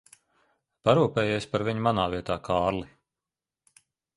Parūpējies par viņu manā vietā, Kārli.